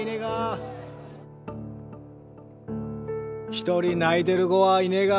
一人泣いてる子はいねが。